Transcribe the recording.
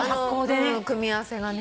あの組み合わせがね。